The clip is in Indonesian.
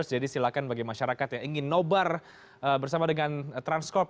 jadi silakan bagi masyarakat yang ingin nobar bersama dengan transkop